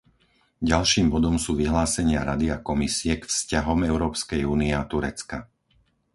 Ďalším bodom sú vyhlásenia Rady a Komisie k vzťahom Európskej únie a Turecka.